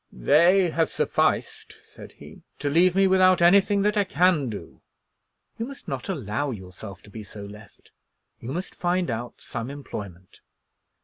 "They have sufficed," said he, "to leave me without anything that I can do." "You must not allow yourself to be so left. You must find out some employment."